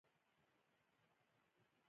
د بحران د مخنیوي لپاره نورې پیسې